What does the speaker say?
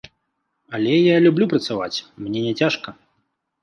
Але я люблю працаваць, мне няцяжка.